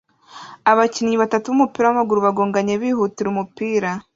Abakinnyi batatu b'umupira w'amaguru bagonganye bihutira umupira